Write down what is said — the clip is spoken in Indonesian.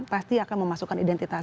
pasti akan memasukkan identitas